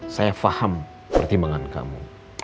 saya paham pertimbangan kamu